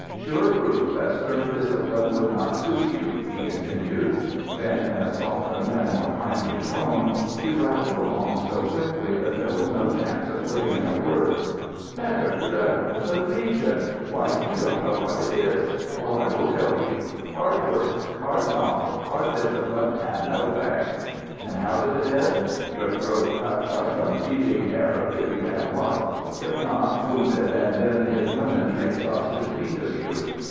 "Sure proof that stern discipline would not suit you," he continued. Then in a softened and more kindly tone he rattled along so quickly that there was no chance of putting in a word: "Sacré bleu! The Legion why, you don't know what it is. Well, I will tell you hard work hard knocks hard discipline, and no thanks. And how does it end? Your throat cut by some thieving Arab if you have luck; if not, wounded, and then his women make sausage meat of you.